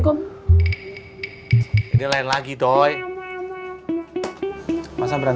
kemana kamu bisa minuten